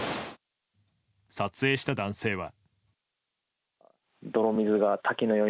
撮影した男性は。